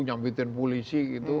nyambitin polisi gitu